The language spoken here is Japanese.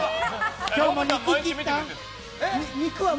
今日も肉、切った？